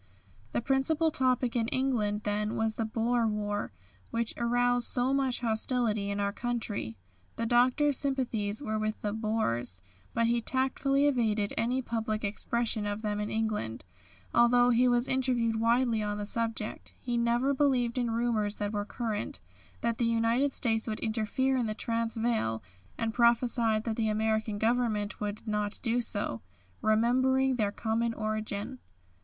The principal topic in England then was the Boer War, which aroused so much hostility in our country. The Doctor's sympathies were with the Boers, but he tactfully evaded any public expression of them in England, although he was interviewed widely on the subject. He never believed in rumours that were current, that the United States would interfere in the Transvaal, and prophesied that the American Government would not do so "remembering their common origin."